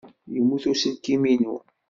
Yemmut uselkim-inu.